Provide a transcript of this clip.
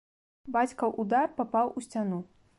Бацькаў удар папаў у сцяну.